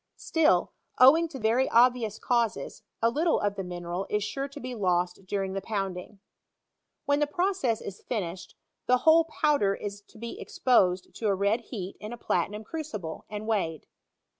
Still, owing to very obvious causes, a little of the mineral is sure to be lost during the pounding'. When the process is finished, the whole powder is to be exposed to a red heat in a platinum crucible, and weighed.